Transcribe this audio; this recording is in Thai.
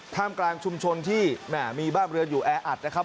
ท่ามกลางชุมชนที่มีบ้านเรือนอยู่แออัดนะครับ